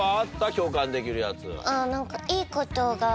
共感できるやつ。